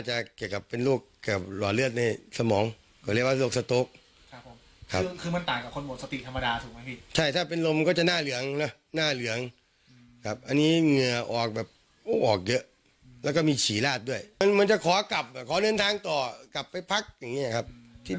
มาเสี่ยชีวิตที่ห้องพักเลยนะวันนั้นวันที่เขาหมดสติเลยทุกคนมี